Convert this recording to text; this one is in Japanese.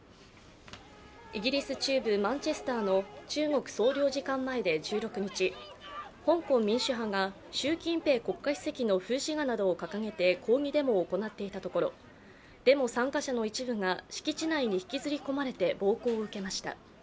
イギリス中部マンチェスターの中国総領事館前で１６日、香港民主派が習近平国家主席の風刺画などを掲げて抗議デモを行っていたところデモ参加者の一部が敷地内に引きずり込まれて暴行を受けました。